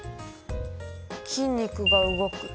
筋肉が動く。